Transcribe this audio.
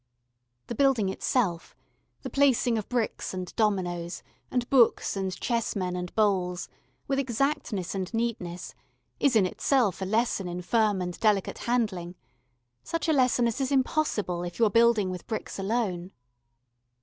The building itself, the placing of bricks and dominoes, and books and chessmen and bowls, with exactness and neatness, is in itself a lesson in firm and delicate handling, such a lesson as is impossible if you are building with bricks alone.